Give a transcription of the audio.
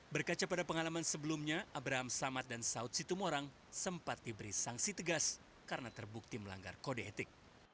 berkaca pada pengalaman sebelumnya abraham samad dan saud situmorang sempat diberi sanksi tegas karena terbukti melanggar kode etik